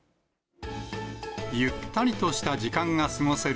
ゆったりとした時間が過ごせる